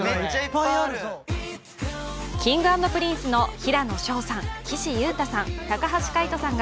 Ｋｉｎｇ＆Ｐｒｉｎｃｅの平野紫耀さん、岸優太さん